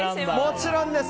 もちろんです。